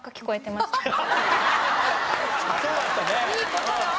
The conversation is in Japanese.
そうだったね。